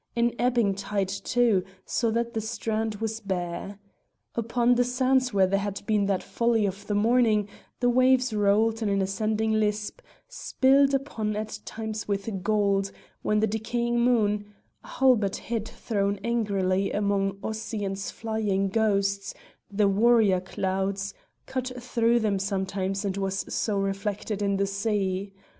An ebbing tide too, so that the strand was bare. Upon the sands where there had been that folly of the morning the waves rolled in an ascending lisp, spilled upon at times with gold when the decaying moon a halbert head thrown angrily among Ossian's flying ghosts, the warrior clouds cut through them sometimes and was so reflected in the sea.